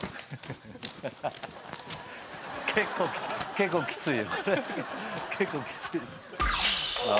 結構きつい。